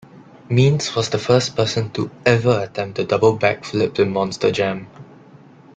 Meents was the first person to ever attempt a double backflip in Monster Jam.